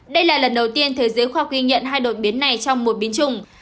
đây là lần đầu tiên thế giới khoa ghi nhận hai đột biến này trong một biến chủng